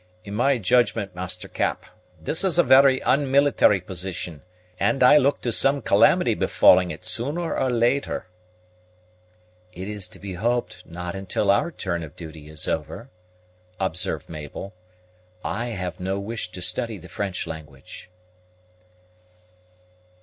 In my judgment, Master Cap, this is a very unmilitary position, and I look to some calamity befalling it, sooner or later." "It is to be hoped not until our turn of duty is over," observed Mabel. "I have no wish to study the French language."